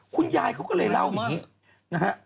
คุณยายเขาก็เลยเล่าอย่างนี้นะฮะ